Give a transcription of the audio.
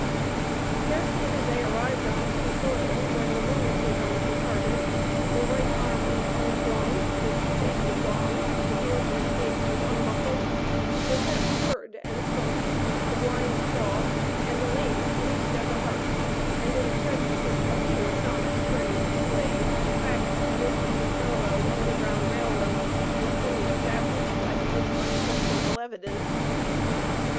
Scarcely had they arrived on free soil when the rheumatism departed the right arm was unslung the toothache was gone the beardless face was unmuffled the deaf heard and spoke the blind saw and the lame leaped as an hart, and in the presence of a few astonished friends of the slave, the facts of this unparalleled Underground Rail Road feat were fully established by the most unquestionable evidence.